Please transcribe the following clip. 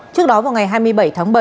trước đó vào ngày hai mươi bảy tháng bảy